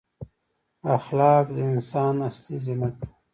اخلاق د انسان اصلي زینت دی.